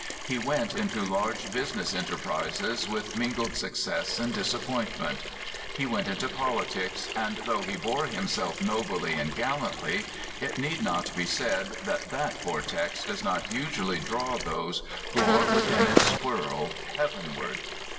He went into large business enterprises with mingled success and disappointment. He went into politics, and though he bore himself nobly and gallantly, it need not be said that fhat vortex WINTER BLOSSOMED. 255 does not usually draw those who are within its whirl heavenward.